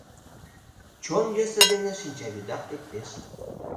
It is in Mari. Чон йӧсӧ дене шинчавӱдат лектеш.